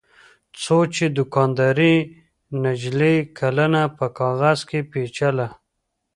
څو چې دوکاندارې نجلۍ کلنه په کاغذ کې پېچله.